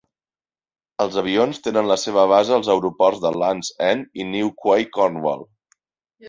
Els avions tenen la seva base als aeroport de Land's End i Newquay Cornwall.